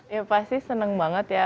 ya pasti senang banget ya